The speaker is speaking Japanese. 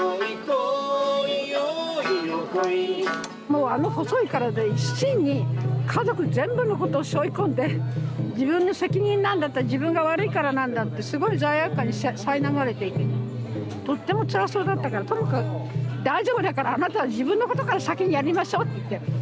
もうあの細い体で一身に家族全部のことをしょい込んで自分の責任なんだ自分が悪いからなんだってすごい罪悪感にさいなまれていてねとってもつらそうだったからともかく大丈夫だからあなたは自分のことから先にやりましょうって言って。